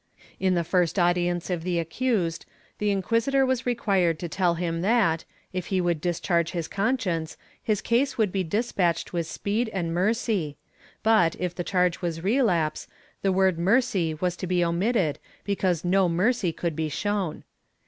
* In the first audience of the accused, the inquisitor was required to tell him that, if he would discharge his conscience, his case would be despatched with speed and mercy but, if the charge was relapse, the word mercy was to be omitted because no mercy could be shown.